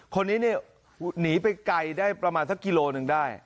คนนี้เนี่ยหนีไปไกลได้ประมาณสักกิโลหนึ่งได้